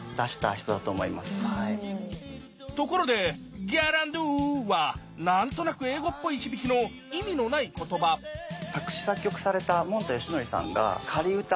ところで「ギャランドゥ」は何となく英語っぽい響きの意味のない言葉作詞・作曲されたもんたよしのりさんが仮歌。